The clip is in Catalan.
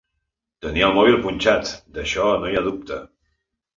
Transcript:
Tenia el mòbil punxat, d'això no hi havia dubte.